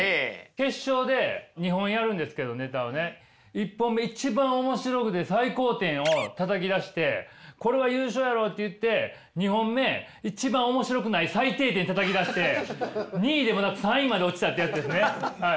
１本目一番面白くて最高点をたたき出してこれは優勝やろって言って２本目一番面白くない最低点たたき出して２位でもなく３位にまで落ちたってやつですね。